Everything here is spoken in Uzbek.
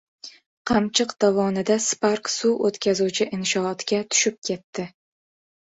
“Qamchiq” dovonida “Spark” suv o‘tkazuvchi inshootga tushib ketdi